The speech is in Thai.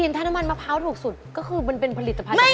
พีชถ้าน้ำมันมะพร้าวถูกสุดก็คือมันเป็นผลิตภัณฑ์จากบ้านเราเลย